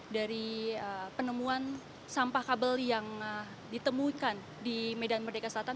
dari penemuan sampah kabel yang ditemukan di medan merdeka selatan